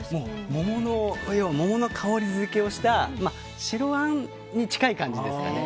桃の香りづけをした白あんに近い感じですかね。